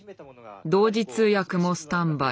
同時通訳もスタンバイ。